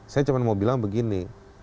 saya cuma mau bilang begini